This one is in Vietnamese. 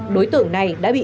đối tượng này đã bị